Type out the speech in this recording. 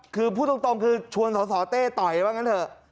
คือพูดตรงคือชวนสสเต้ต่อยว่างั้นเถอะ